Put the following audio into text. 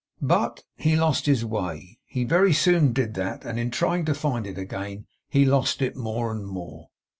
But he lost his way. He very soon did that; and in trying to find it again he lost it more and more.